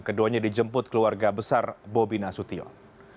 keduanya dijemput keluarga besar bobi nasution